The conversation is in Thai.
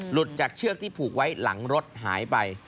หลุดจากเชือกที่ผูกไว้หลังรถหายไป